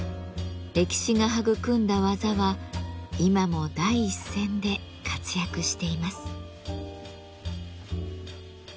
歴史が育んだ技は今も第一線で活躍しています。